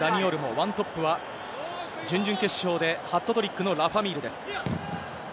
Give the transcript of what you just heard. ワントップは準々決勝でハットトリックのラファ・ミールです。